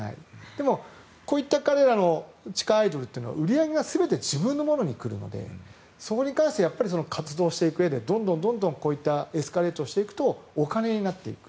でもこういった彼らの地下アイドルというのは売り上げが全て自分に来るのでそこに関して活動していくうえでどんどんエスカレートしていくとお金になっていく。